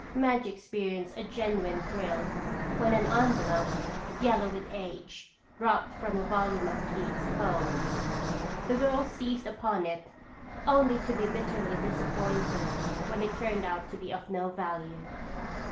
Madge experienced a genuine thrill when an envelope, yellow with age, dropped from a volume of Keats' poems. The girls seized upon it only to be bitterly disappointed when it turned out to be of no value.